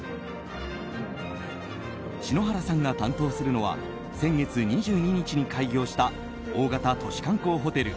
篠原さんが担当するのは先月２２日に開業した大型都市観光ホテル